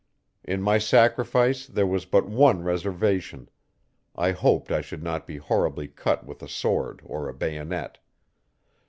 In my sacrifice there was but one reservation I hoped I should not be horribly cut with a sword or a bayonet.